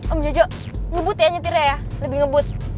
om jojo ngebut ya nyetirnya ya lebih ngebut